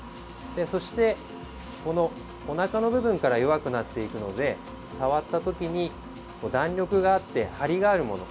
そして、おなかの部分から弱くなっていくので触ったときに弾力があってハリがあるもの